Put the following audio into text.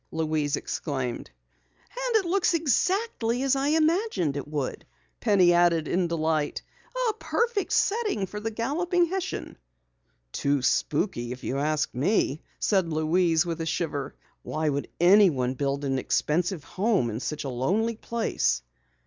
Louise exclaimed. "And it looks exactly as I imagined it would!" Penny added in delight. "A perfect setting for the Galloping Hessian!" "Too spooky if you ask me," said Louise with a shiver. "Why would anyone build an expensive home in such a lonely place?"